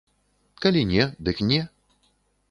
Калі не, дык не.